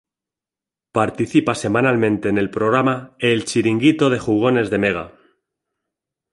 Participa semanalmente en el programa El chiringuito de jugones de Mega.